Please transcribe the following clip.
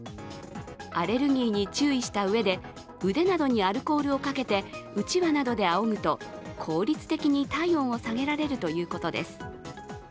アレルギーに注意したうえで腕などにアルコールをかけてうちわなどであおぐと効率的に体温を下げられるということです。